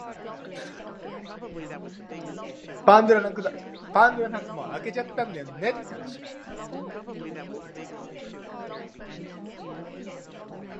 There are several theories about its function.